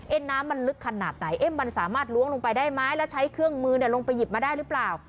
น้ำมันลึกขนาดไหนเอ๊ะมันสามารถล้วงลงไปได้ไหมแล้วใช้เครื่องมือลงไปหยิบมาได้หรือเปล่า